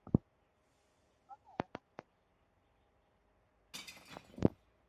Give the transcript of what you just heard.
Kolera en tuwo mikelo gi pi mochido.